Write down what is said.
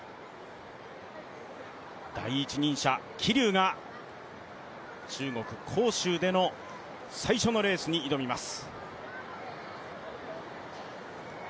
第一人者、桐生が中国・杭州での最初のレースに挑みます。